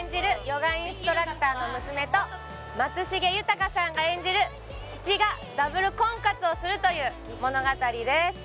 ヨガインストラクターの娘と松重豊さんが演じる父がダブル婚活をするという物語です